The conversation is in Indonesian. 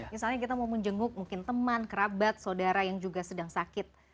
misalnya kita mau menjenguk mungkin teman kerabat saudara yang juga sedang sakit